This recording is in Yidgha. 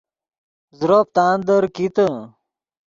زروپ تاندیر کیتے